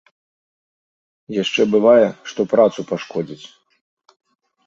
Яшчэ бывае, што працу пашкодзяць.